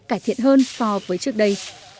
cải thiện hơn so với trước đây